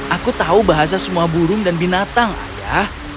aku tahu bahasa semua burung dan binatang ayah